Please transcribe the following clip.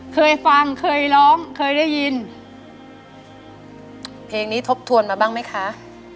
เคยฟังเคยร้องเคยได้ยินเพลงนี้ทบทวนมาบ้างไหมคะ